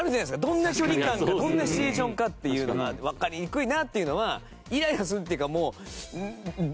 どんな距離感かどんなシチュエーションかっていうのがわかりにくいなっていうのはイライラするっていうかもうなんていうの？